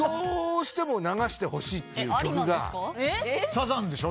「サザンでしょ？」